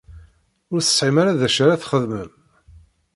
Ur tesɛim ara d acu ara txedmem?